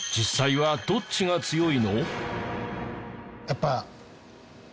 はい。